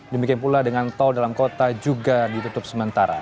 demikian pula dengan tol dalam kota juga ditutup sementara